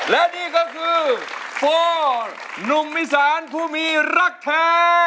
และนี่ก็คือโฟนุ่มวิสานผู้มีรักแท้